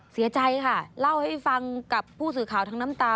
เสียใจค่ะเล่าให้ฟังกับผู้สื่อข่าวทั้งน้ำตา